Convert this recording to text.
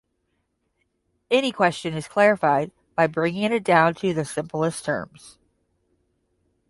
Any question is clarified by bringing it down to the simplest terms.